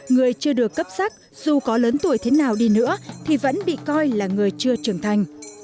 người chưa được cấp sắc dù có lớn tuổi thế nào đi nữa thì vẫn bị coi là người chưa trưởng thành